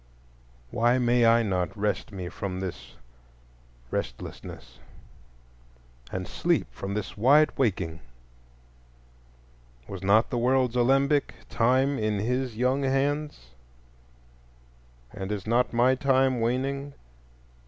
Why may I not rest me from this restlessness and sleep from this wide waking? Was not the world's alembic, Time, in his young hands, and is not my time waning?